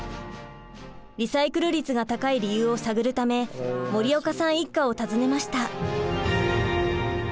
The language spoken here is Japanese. リサイクル率が高い理由を探るため森岡さん一家を訪ねました。